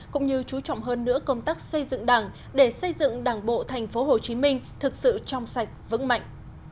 cũng như chú trọng hơn nữa công tác xây dựng đảng để xây dựng đảng bộ tp hcm thực sự trong sạch vững mạnh